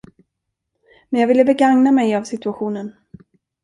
Men jag ville begagna mig av situationen.